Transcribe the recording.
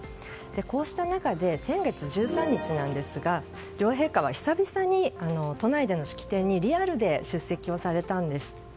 こうした中で、先月１３日ですが両陛下は久々に都内での式典にリアルで出席をされたんです。